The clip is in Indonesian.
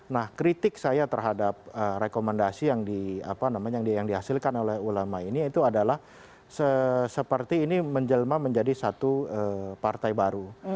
nah kritik saya terhadap rekomendasi yang dihasilkan oleh ulama ini itu adalah seperti ini menjelma menjadi satu partai baru